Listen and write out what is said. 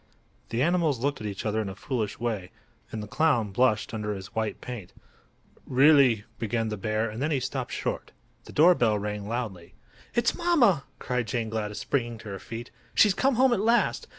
The animals looked at each other in a foolish way, and the clown blushed under his white paint. "Really—" began the bear, and then he stopped short. The door bell rang loudly. "It's mamma!" cried Jane Gladys, springing to her feet. "She's come home at last.